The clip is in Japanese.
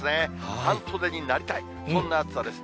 半袖になりたい、そんな暑さです。